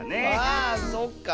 あそっか。